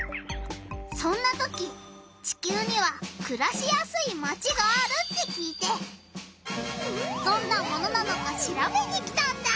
そんな時地きゅうにはくらしやすいマチがあるって聞いてどんなものなのかしらべに来たんだ！